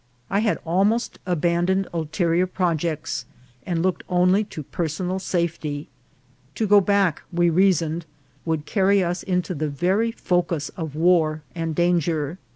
I had almost abandoned ulterior projects, and looked only to personal safety. To go back, we reasoned, would car ry us into the very focus of war and danger.